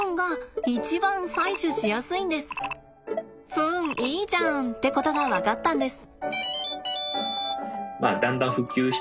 フンいいじゃんってことが分かったんです。